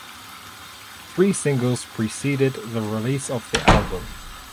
Three singles preceded the release of the album.